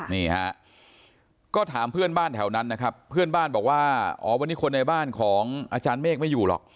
นี่ฮะก็ถามเพื่อนบ้านแถวนั้นนะครับเพื่อนบ้านบอกว่าอ๋อวันนี้คนในบ้านของอาจารย์เมฆไม่อยู่หรอก